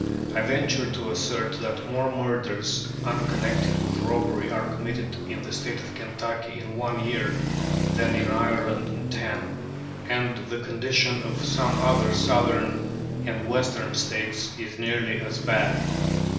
I venture to assert that more murders unconnected with robbery are committed in the State of Kentucky in one year than in Ireland in ten, and the condition of some other Southern and Western States is nearly as bad.